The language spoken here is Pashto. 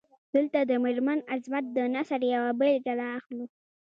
دلته د میرمن عظمت د نثر یوه بیلګه را اخلو.